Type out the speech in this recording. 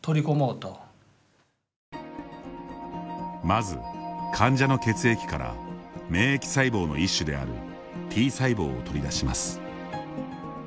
まず、患者の血液から免疫細胞の一種であるＴ細胞を取り出します。